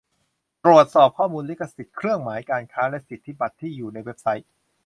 ตรวจสอบข้อมูลลิขสิทธิ์เครื่องหมายการค้าและสิทธิบัตรที่อยู่ในเว็บไซต์